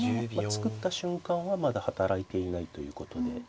作った瞬間はまだ働いていないということで。